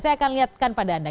saya akan lihatkan pada anda